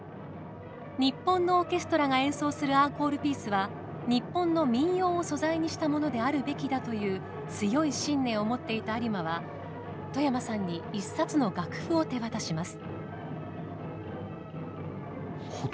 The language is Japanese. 日本のオーケストラが演奏するアンコールピースは日本の民謡を素材にしたものであるべきだという強い信念を持っていた有馬は外山さんに一冊の楽譜を手渡します。